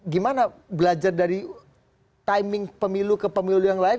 gimana belajar dari timing pemilu ke pemilu yang lain